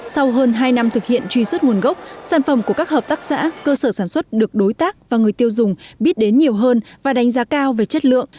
sau hơn hai năm thực hiện truy xuất nguồn gốc sản phẩm của các hợp tác xã cơ sở sản xuất được đối tác và người tiêu dùng biết đến nhiều hơn và đánh giá cao về chất lượng